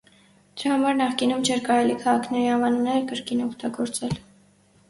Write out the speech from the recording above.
Դրա համար նախկինում չէր կարելի քաղաքների անվանումները կրկին օգտագործել։